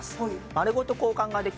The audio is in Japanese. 丸ごと交換ができる